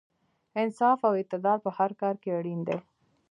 انصاف او اعتدال په هر کار کې اړین دی.